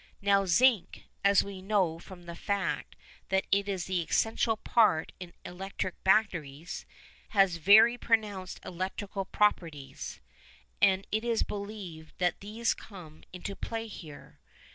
Now zinc, as we know from the fact that it is the essential part in electric batteries, has very pronounced electrical properties, and it is believed that these come into play here.